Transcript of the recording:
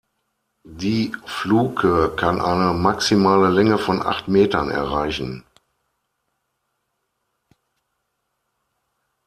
Die Fluke kann eine maximale Länge von acht Metern erreichen.